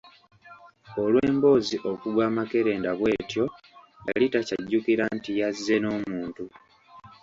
Olw'emboozi okugwa amakerenda bw'etyo, yali takyajjukira nti yazze n'omuntu.